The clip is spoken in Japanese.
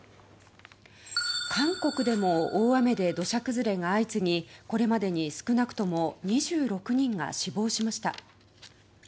韓国でも大雨で土砂崩れが相次ぎこれまでに少なくとも２６人が死亡しました。